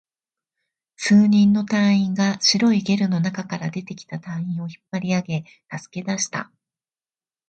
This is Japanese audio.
数人の隊員が白いゲルの中から出てきた隊員を引っ張り上げ、助け出した